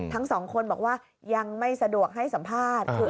ทั้งสองคนบอกว่ายังไม่สะดวกให้สัมภาษณ์